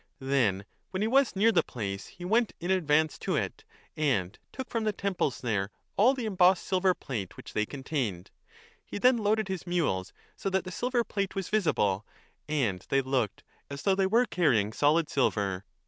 Then when he was near the place, he went in advance to it and took from the temples there all the embossed silver plate which they contained. He then loaded his mules so that the silver plate was visible, and they looked as though they were carrying solid silver.